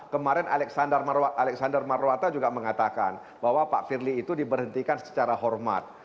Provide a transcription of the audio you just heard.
kemarin alexander marwata juga mengatakan bahwa pak firly itu diberhentikan secara hormat